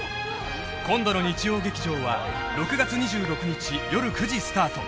今度の日曜劇場は６月２６日よる９時スタート